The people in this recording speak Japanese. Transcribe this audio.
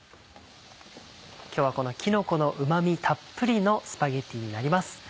今日はきのこのうま味たっぷりのスパゲティになります。